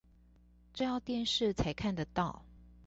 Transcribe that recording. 這要電視才看得到